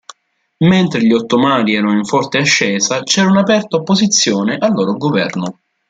Mentre gli ottomani erano in forte ascesa, c'era un'aperta opposizione al loro governo.